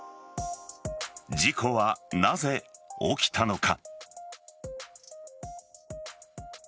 事故はなぜ起きたのか。